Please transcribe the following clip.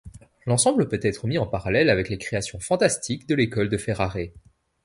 L'ensemble peut être mis en parallèle avec les créations fantastiques de l'école de Ferrare.